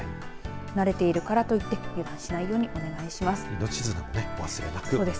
慣れているからといって油断しないようにお願いします。